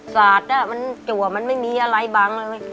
สัตว์น่ะมันจั๋วมันไม่มีอะไรบ้างเลย